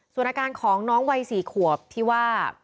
ส่วนอาการของน้องวัย๔ขวบที่ว่า